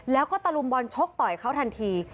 แล้วก็ตะลุมบอลชกต่อยเขาทันที